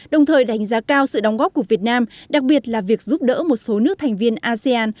đồng thời đánh giá cao sự đóng góp của việt nam đặc biệt là việc giúp đỡ một số nước thành viên asean